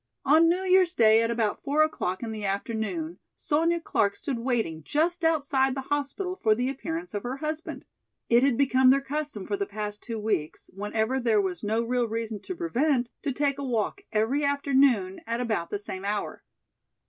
On New Year's day at about four o'clock in the afternoon Sonya Clark stood waiting just outside the hospital for the appearance of her husband. It had become their custom for the past two weeks, whenever there was no real reason to prevent, to take a walk every afternoon at about the same hour.